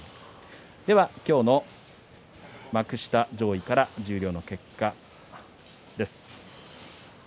では今日の幕下上位から十両の結果です。